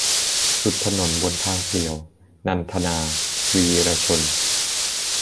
สุดถนนบนทางเปลี่ยว - นันทนา วีระชน